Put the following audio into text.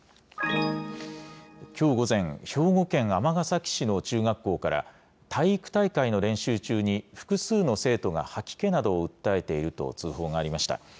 きょう午前、兵庫県尼崎市の中学校から、体育大会の練習中に、複数の生徒が吐き気などを訴えていると通報がありました。